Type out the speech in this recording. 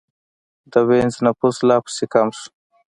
د وینز نفوس لا پسې کم شو.